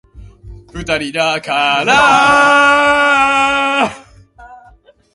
This decision was not well received.